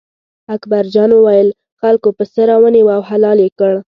اکبر جان وویل: خلکو پسه را ونیوه او حلال یې کړ.